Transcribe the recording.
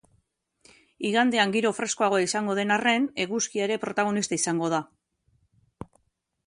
Igandean giro freskoagoa izango den arren, eguzkia ere protagonista izango da.